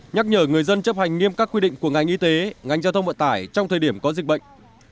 nhắc nhở người dân chấp hành nghiêm các quy định của ngành y tế ngành giao thông vận tải trong thời điểm có dịch bệnh